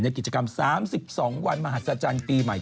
กิจกรรม๓๒วันมหัศจรรย์ปีใหม่